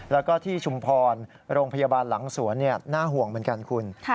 แล้วก็ที่ชุมพรโรงพยาบาลหลังสวนน่าห่วงเหมือนกันคุณ